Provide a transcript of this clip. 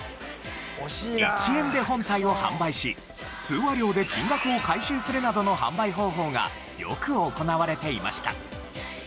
１円で本体を販売し通話料で金額を回収するなどの販売方法がよく行われていました。